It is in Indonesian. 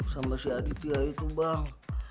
sama si aditya itu bang